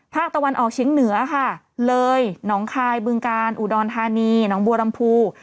ภาคตะวันออกเฉียงเหนือค่ะเลยหนองคายบึงกาลอุดรธานีหนองบัวลำพู